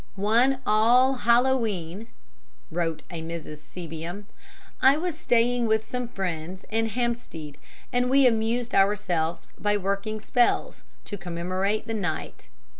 "One All Hallow E'en," wrote a Mrs. Sebuim, "I was staying with some friends in Hampstead, and we amused ourselves by working spells, to commemorate the night.